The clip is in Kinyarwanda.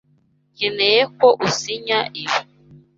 Nkeneye ko usinya ibi.